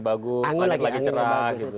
bagus selanjutnya lagi cerah